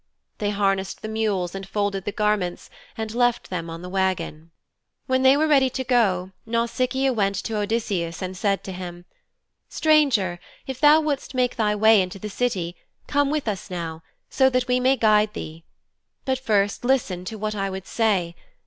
They harnessed the mules and folded the garments and left them on the wagon. When they were ready to go Nausicaa went to Odysseus and said to him, 'Stranger, if thou wouldst make thy way into the city come with us now, so that we may guide thee. But first listen to what I would say.